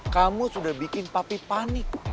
kamu sudah bikin papi panik